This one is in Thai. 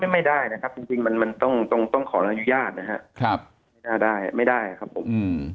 ไม่ได้นะครับจริงมันต้องขออนุญาตนะฮะไม่ได้ครับผม